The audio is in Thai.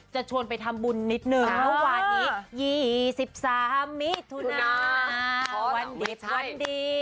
จะชวนไปทำบุญนิดหนึ่งวันนี้ยี่สิบสามมิถุนาวันดิบวันดี